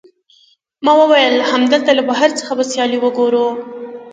ما وویل، همدلته له بهر څخه به سیالۍ وګورو.